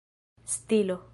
stilo